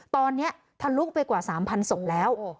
ตอนนี้ทะลุไปกว่า๓๐๐ศพแล้ว